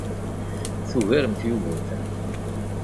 Tugaremt Yugurten.